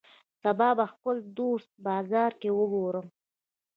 سبا به خپل دوست په بازار کی وګورم